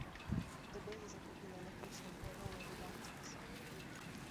The bay is a popular location for rowing regattas.